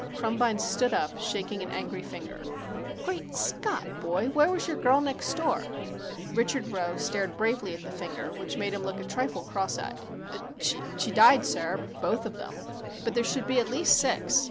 Krumbine stood up, shaking an angry finger. "Great Scott, boy, where was Your Girl Next Door?" Richard Rowe stared bravely at the finger, which made him look a trifle cross eyed. "She died, sir, both of them." "But there should be at least six."